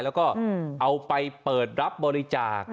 แล้วก็เอาไปเปิดรับบริจาค